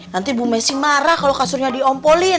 nanti bu messi marah kalau kasurnya diompolin